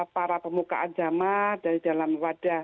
para pemukaan zaman dari dalam wadah